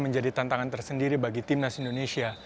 menjadi tantangan tersendiri bagi timnas indonesia